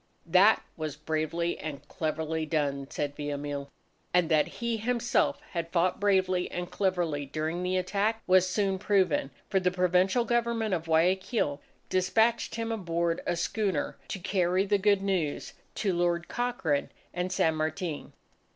"That was bravely and cleverly done!" said Villamil. And that he himself had fought bravely and cleverly during the attack, was soon proven, for the Provisional Government of Guayaquil despatched him aboard a schooner to carry the good news to Lord Cochrane and San Martin.